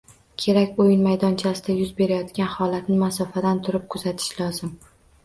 Kerak. O‘yin maydonchasida yuz berayotgan holatni masofadan turib kuzatish lozim